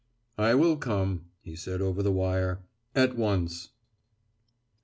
"I will come," he said over the wire, "at once."